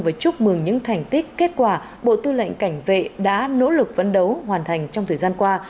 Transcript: và chúc mừng những thành tích kết quả bộ tư lệnh cảnh vệ đã nỗ lực vấn đấu hoàn thành trong thời gian qua